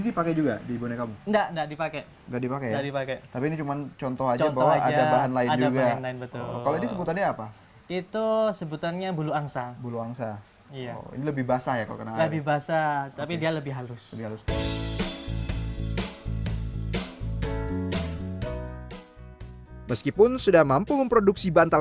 semuanya dekat disini ngumpul disini